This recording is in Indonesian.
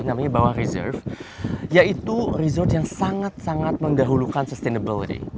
namanya bawah reserve yaitu resort yang sangat sangat mendahulukan sustainable